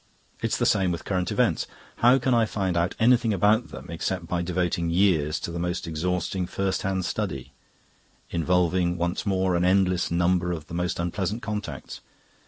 It's the same with current events; how can I find out anything about them except by devoting years to the most exhausting first hand study, involving once more an endless number of the most unpleasant contacts?